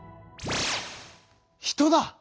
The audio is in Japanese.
人だ！